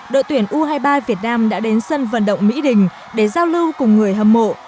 đội tuyển u hai mươi ba việt nam đã đến sân vận động mỹ đình để giao lưu cùng người hâm mộ